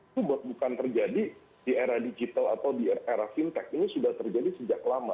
itu bukan terjadi di era digital atau di era fintech ini sudah terjadi sejak lama